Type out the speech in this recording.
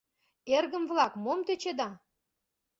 Эргым-влак, мом тӧчеда?